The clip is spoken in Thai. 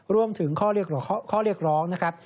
รวมถึงข้อเรียกร้องนะครับ